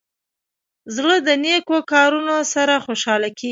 زړه د نیکو کارونو سره خوشحاله کېږي.